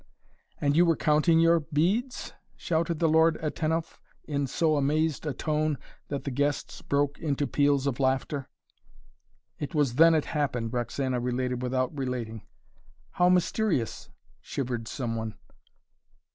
"And you were counting your beads?" shouted the Lord Atenulf in so amazed a tone, that the guests broke out into peals of laughter. "It was then it happened," Roxana related, without relating. "How mysterious," shivered some one.